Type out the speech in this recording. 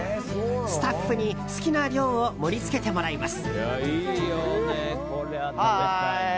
スタッフに好きな量を盛り付けてもらいます。